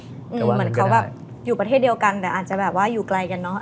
เหมือนเขาแบบอยู่ประเทศเดียวกันแต่อาจจะแบบว่าอยู่ไกลกันเนอะ